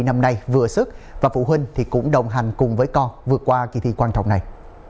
năm nay vừa sức và phụ huynh cũng đồng hành cùng với con vượt qua kỳ thi quan trọng này